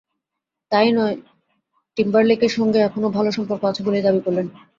তা-ই নয়, টিম্বারলেকের সঙ্গে এখনো ভালো সম্পর্ক আছে বলেই দাবি করলেন।